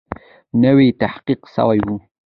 نوی تحقیق سوی وو.